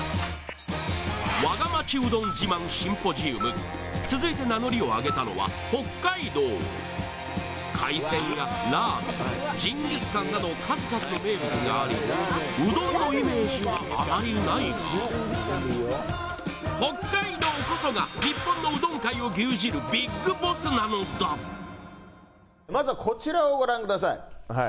わが町うどん自慢シンポジウム続いて名乗りを上げたのは北海道海鮮やラーメンジンギスカンなど数々の名物がありうどんのイメージはあまりないが北海道こそが日本のうどん界を牛耳るビッグボスなのだまずはこちらをご覧ください。